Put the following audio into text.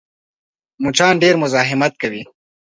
مچان ډېر مزاحمت کوي